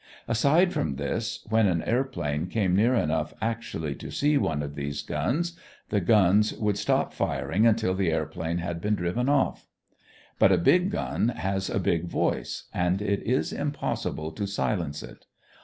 Aside from this, when an airplane came near enough actually to see one of these guns, the gun would stop firing until the airplane had been driven off. But a big gun has a big voice, and it is impossible to silence it.